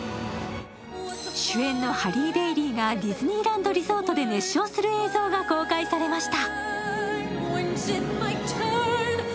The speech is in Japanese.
主演のハリー・ベイリーがディズニーランドリゾートで熱唱する映像が公開されました。